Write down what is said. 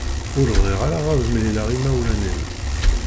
Ur bɣiɣ ara ad mlileɣ imawlan-im.